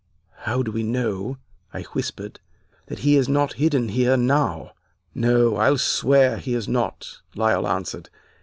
"'How do we know,' I whispered, 'that he is not hidden here now?' "'No, I'll swear he is not,' Lyle answered.